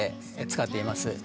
使っています。